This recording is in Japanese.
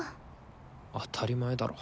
当たり前だろ。